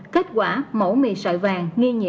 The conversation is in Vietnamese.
kết quả mẫu mì sợi vàng